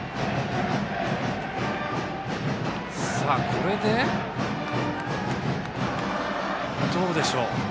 これでどうでしょう。